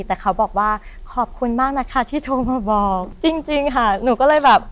แต่เขาบอกว่าขอบคุณมากนะคะที่โทรมาบอกจริงจริงค่ะหนูก็เลยแบบ